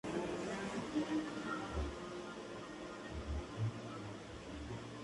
Es llamado el "hermano de nuestro Dios".